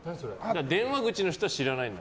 電話口の人は知らないんだ。